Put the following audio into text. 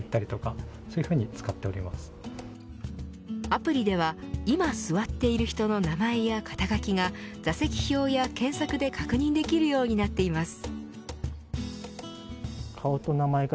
アプリでは今座っている人の名前や肩書が座席表や検索で確認できるようになっています。